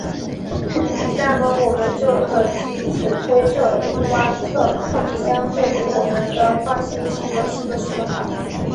那么我们就可藉此推测欲观测物体相对于我们的惯性系的速度是多少。